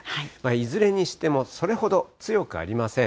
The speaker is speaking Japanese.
いずれにしてもそれほど強くありません。